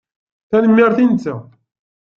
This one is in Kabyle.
Tanemmirt i netta.